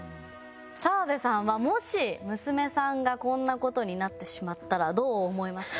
澤部さんはもし娘さんがこんな事になってしまったらどう思いますか？